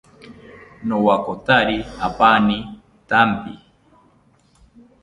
Nowakotakiri apani thampi